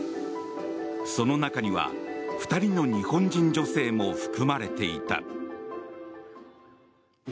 その中には２人の日本人女性も含まれていた。